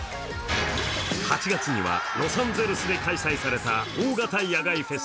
８月にはロサンゼルスで開催された大型野外フェス